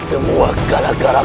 ini semua gara gara